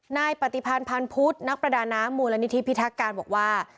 นายปฏิพันธ์พันธ์พุทธนักประดาน้ำมูลนิธิพิทักการบอกว่า